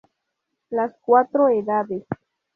Las cuatro edades.